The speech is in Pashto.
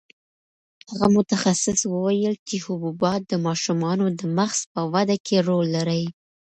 هغه متخصص وویل چې حبوبات د ماشومانو د مغز په وده کې رول لري.